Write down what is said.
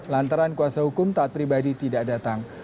lantaran kuasa hukum taat pribadi tidak datang